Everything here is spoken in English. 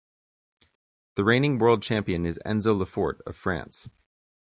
The reigning World Champion is Enzo Lefort of France.